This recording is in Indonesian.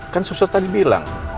kan susah tadi bilang